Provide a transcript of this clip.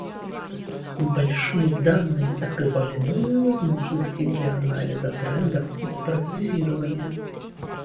Большие данные открывали новые возможности для анализа трендов и прогнозирования.